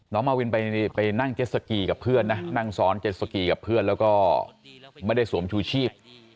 มาวินไปนั่งเจ็ดสกีกับเพื่อนนะนั่งซ้อนเจ็ดสกีกับเพื่อนแล้วก็ไม่ได้สวมชูชีพ